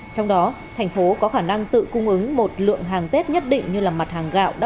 trong đó thành phố có khả năng tự cung ứng một lượng hàng tết nhất định như là mặt hàng gạo